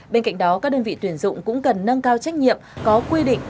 bên cạnh đó các đơn vị tuyển dụng cũng cần nâng cao trách nhiệm có quy định